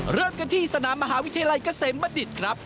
เริ่มกันที่สนามมหาวิทยาลัยเกษมบัดดิษฐ์ครับ